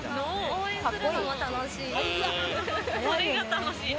応援するのも楽しい。